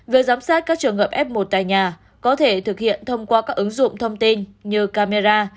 việc giám sát các trường hợp f một tại nhà có thể thực hiện thông qua các ứng dụng thông tin như camera